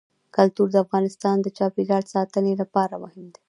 کلتور د افغانستان د چاپیریال ساتنې لپاره مهم دي.